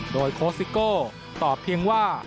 โดยโค้ชซิโก้ตอบเพียงว่า